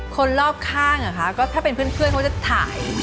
คนรอบข้างเหรอคะก็ถ้าเป็นเพื่อนเขาจะถ่าย